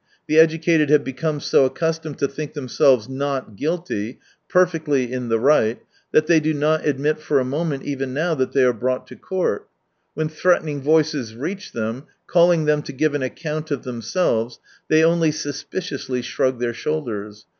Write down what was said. The educated have become so accustomed to think them selves not guilty, perfectly in the right, that they do not admit for a moment even now that they are brought to court. When threatening voices reach them, calling them to give an account of themselves, they only suspiciously shrug their shoulders.